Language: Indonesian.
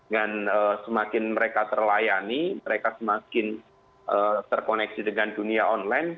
dengan semakin mereka terlayani mereka semakin terkoneksi dengan dunia online